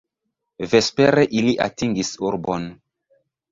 Vespere ili atingis urbon.